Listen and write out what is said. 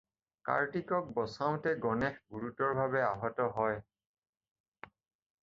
কাৰ্ত্তিকক বচাওঁতে গণেশ গুৰুতৰভাৱে আহত হয়।